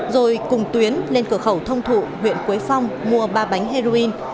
rồi cùng tuyến lên cửa khẩu thông thụ huyện quế phong mua ba bánh heroin